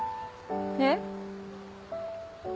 えっ？